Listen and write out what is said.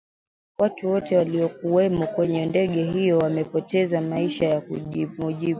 watu wote waliokuwemo kwenye ndege hiyo wamepoteza maisha na kwa mujibu